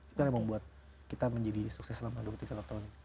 itu memang buat kita menjadi sukses selama dua puluh tiga tahun ini